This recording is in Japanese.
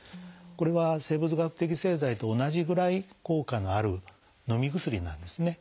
これは生物学的製剤と同じぐらい効果のあるのみ薬なんですね。